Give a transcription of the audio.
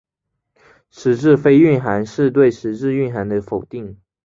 实质非蕴涵是对实质蕴涵的否定。